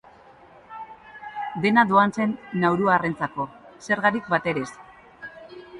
Dena doan zen nauruarrentzako, zergarik batere ez.